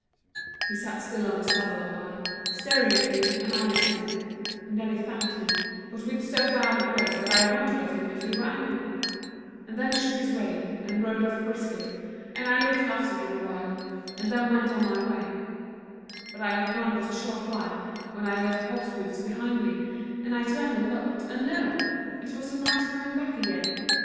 "He sat still on his saddle a while, staring at me and I at him; and then he thanked me, but with so bad a grace, that I wondered of him if he were angry; and then he shook his rein, and rode off briskly, and I looked after him a while, and then went on my way; but I had gone but a short while, when I heard horse hoofs behind me, and I turned and looked, and lo! it was the knight coming back again.